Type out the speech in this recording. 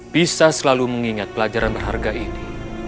bisa selalu mengingat pelajaran berharga ini